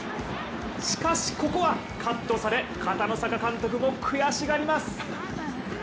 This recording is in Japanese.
しかしここはカットされ、片野坂監督も悔しがります。